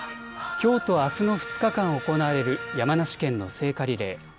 きょうとあすの２日間行われる山梨県の聖火リレー。